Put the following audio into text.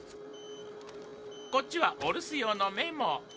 こっちはお留守用のメモ。